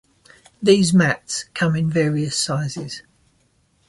These mats come in various sizes.